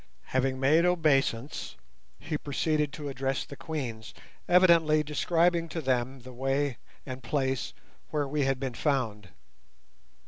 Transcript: Having made obeisance he proceeded to address the Queens, evidently describing to them the way and place where we had been found.